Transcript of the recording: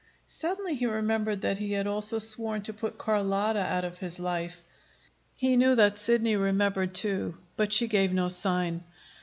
Suddenly he remembered that he had also sworn to put Carlotta out of his life. He knew that Sidney remembered, too; but she gave no sign.